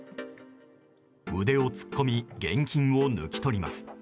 腕を突っ込み現金を抜き取ります。